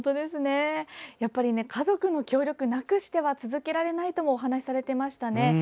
家族の協力なくしては続けられないともお話されていましたね。